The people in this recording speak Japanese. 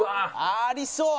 ありそう！